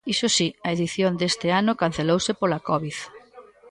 Iso si, a edición deste ano cancelouse pola Covid.